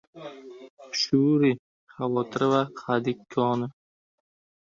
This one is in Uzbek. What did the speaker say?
Shuuri – xavotir va hadik koni.